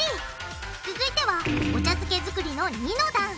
続いてはお茶漬け作りの二の段。